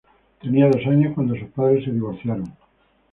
Tenía dos años cuando sus padres se divorciaron.